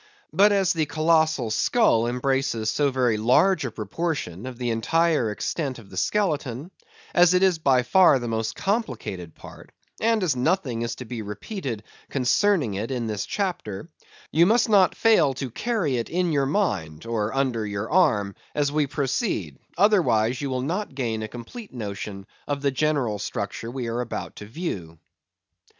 But as the colossal skull embraces so very large a proportion of the entire extent of the skeleton; as it is by far the most complicated part; and as nothing is to be repeated concerning it in this chapter, you must not fail to carry it in your mind, or under your arm, as we proceed, otherwise you will not gain a complete notion of the general structure we are about to view.